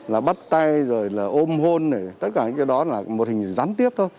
là bắt tay ôm hôn tất cả những cái đó là một hình gián tiếp